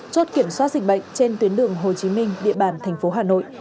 chốt kiểm soát dịch bệnh trên tuyến đường hồ chí minh địa bàn thành phố hà nội